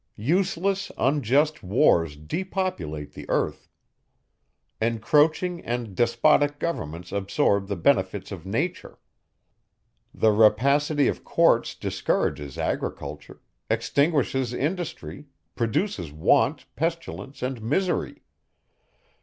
Useless, unjust Wars depopulate the earth. Encroaching and despotic Governments absorb the benefits of nature. The rapacity of Courts discourages agriculture, extinguishes industry, produces want, pestilence and misery.